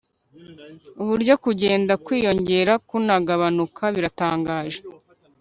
uburyo kugenda kwiyongera kunagabanuka biratangaje